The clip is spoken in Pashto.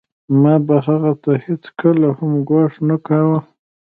ما به هغه ته هېڅکله هم ګواښ نه کاوه